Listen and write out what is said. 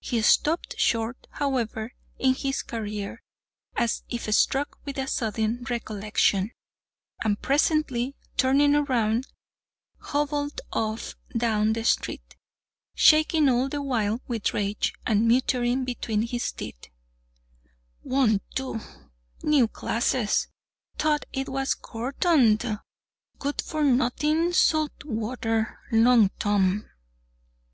He stopped short, however, in his career, as if struck with a sudden recollection; and presently, turning round, hobbled off down the street, shaking all the while with rage, and muttering between his teeth: "Won't do—new glasses—thought it was Gordon—d—d good for nothing salt water Long Tom."